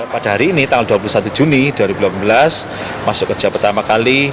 pada hari ini tanggal dua puluh satu juni dua ribu delapan belas masuk kerja pertama kali